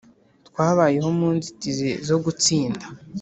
twabayeho mu nzitizi zo gutsinda.